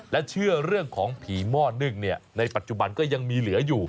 และเชื่อเรื่องของผีหม้อนึ่งในปัจจุบันก็ยังมีเหลืออยู่